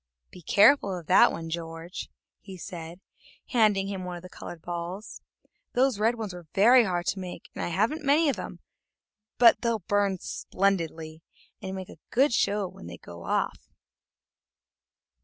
"Be careful of that one, George," he said, handing him one of the colored balls; "those red ones were very hard to make, and I haven't many of them, but they'll burn splendidly, and make a great show when they go off."